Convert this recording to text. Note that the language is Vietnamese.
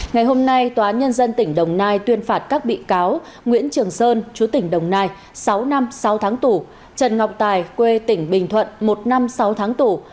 ngày hôm nay tòa nhân dân tỉnh đồng nai tuyên phạt các bị cáo nguyễn trường sơn chú tỉnh đồng nai sáu năm sáu tháng tù trần ngọc tài quê tỉnh bình thuận một năm sáu tháng tù